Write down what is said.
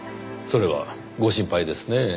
それはご心配ですねぇ。